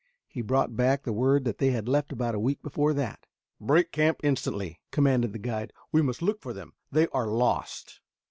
He brought back the word that they had left about a week before that. "Break camp instantly!" commanded the guide. "We must look for them. They are lost."